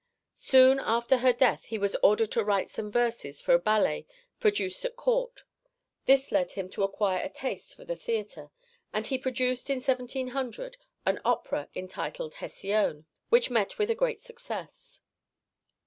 Soon after her death he was ordered to write some verses for a ballet produced at Court; this led him to acquire a taste for the theatre, and he produced in 1700 an opera entitled Hésione, which met with a great success.